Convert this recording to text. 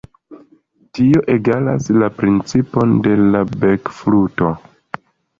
Tio egalas la principon de la bekfluto.